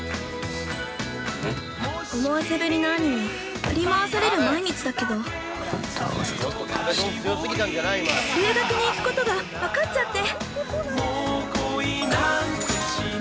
思わせぶりな兄に振り回される毎日だけど留学に行くことが分かっちゃって。